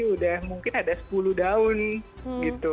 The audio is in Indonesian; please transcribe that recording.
udah mungkin ada sepuluh daun gitu